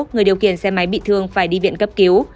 người điều khiển xe máy bị thương phải đi viện cấp cứu